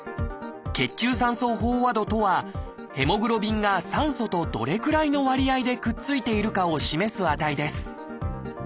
「血中酸素飽和度」とはヘモグロビンが酸素とどれくらいの割合でくっついているかを示す値です。